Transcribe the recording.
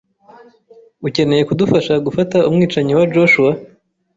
Ukeneye kudufasha gufata umwicanyi wa Joshua?